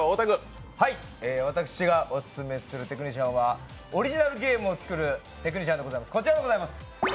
私がオススメするテクニシャンはオリジナルゲームを作るテクニシャンでございます、こちらでございます。